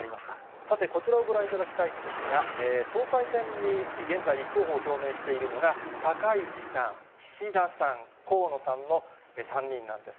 さて、こちらをご覧いただきたいんですが、総裁選に現在、立候補を表明しているのが高市さん、岸田さん、河野さんの３人なんです。